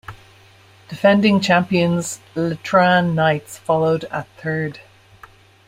Defending champions Letran Knights followed at third.